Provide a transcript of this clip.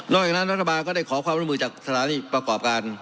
จากนั้นรัฐบาลก็ได้ขอความร่วมมือจากสถานีประกอบการ